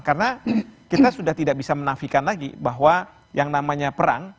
karena kita sudah tidak bisa menafikan lagi bahwa yang namanya perang